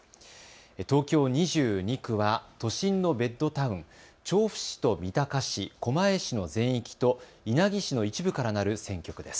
東京２２区は都心のベッドタウン、調布市と三鷹市、狛江市の全域と稲城市の一部からなる選挙区です。